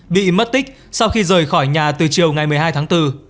bị mất tích sau khi rời khỏi nhà từ chiều ngày một mươi hai tháng bốn